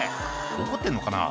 「怒ってんのかな？